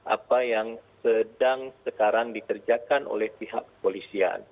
apa yang sedang sekarang dikerjakan oleh pihak kepolisian